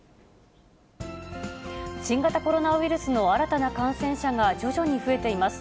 新型コロナウイルスの新たな感染者が徐々に増えています。